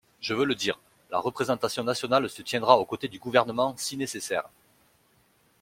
Je veux le dire : la représentation nationale se tiendra aux côtés du Gouvernement, si nécessaire.